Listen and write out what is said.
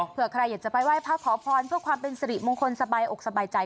เพื่อใครอยากจะไปไหว้พระขอพรเพื่อความเป็นสิริมงคลสบายอกสบายใจ